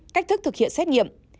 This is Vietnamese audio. cách thức thực hiện xét nghiệm